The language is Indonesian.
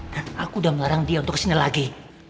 dan aku udah melarang dia untuk ke sini lagi